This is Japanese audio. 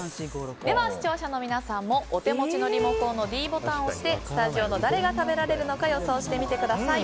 では視聴者の皆さんもお手持ちのリモコンのｄボタンを押してスタジオの誰が食べられるのか予想してみてください。